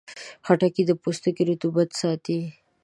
خټکی د پوستکي رطوبت ساتي.